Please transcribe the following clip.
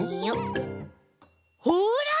ほら！